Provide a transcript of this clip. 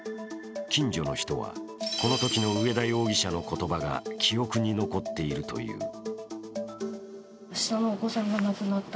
近所の人は、このときの上田容疑者の言葉が記憶に残っているという。